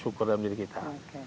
dan itu adalah dalam diri kita